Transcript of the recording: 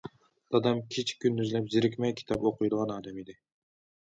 دادام كېچە- كۈندۈزلەپ زېرىكمەي كىتاب ئوقۇيدىغان ئادەم ئىدى.